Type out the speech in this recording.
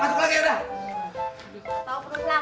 masuk lagi ya udah